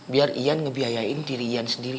biar ian ngebiayain diri ian sendiri